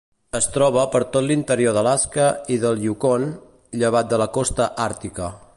Es troba per tot l'interior d'Alaska i del Yukon, llevat de la costa àrtica.